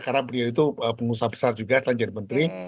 karena beliau itu pengusaha besar juga selain jadi menteri